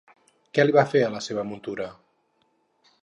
Què li va fer a la seva muntura?